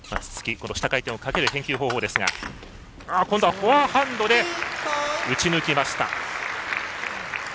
ツッツキ、下回転をかける返球方法ですが、今度はフォアハンドで打ち抜きました。